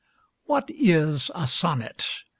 What is a sonnet ?